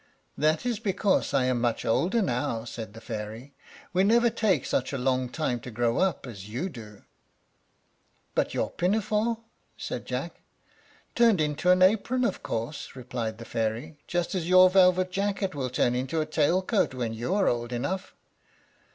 "That is because I am much older now," said the fairy; "we never take such a long time to grow up as you do." "But your pinafore?" said Jack. "Turned into an apron, of course," replied the fairy, "just as your velvet jacket will turn into a tail coat when you are old enough."